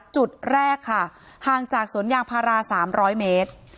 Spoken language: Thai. จุดแรกค่ะห่างจากสวนยางพารา๓๐๐เมตร